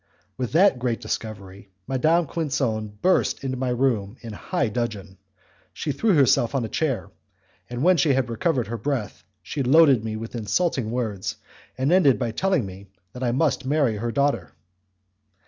With that great discovery Madame Quinson burst into my room in high dudgeon. She threw herself on a chair, and when she had recovered her breath she loaded me with insulting words, and ended by telling me that I must marry her daughter.